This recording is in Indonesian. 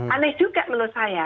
aneh juga menurut saya